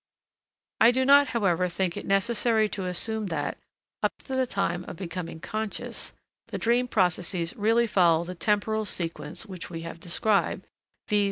I do not, however, think it necessary to assume that, up to the time of becoming conscious, the dream processes really follow the temporal sequence which we have described, viz.